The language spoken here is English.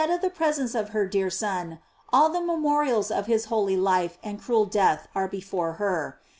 of the presence of her dear Son, all the memorials of his holy life and cruel death are hefore her.